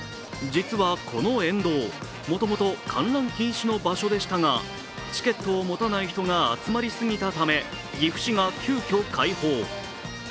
実はこの沿道、もともと観覧禁止の場所でしたがチケットを持たない人が集まりすぎたため、岐阜市が急きょ開放。